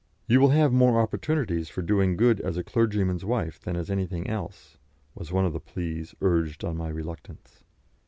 "You will have more opportunities for doing good as a clergyman's wife than as anything else," was one of the pleas urged on my reluctance.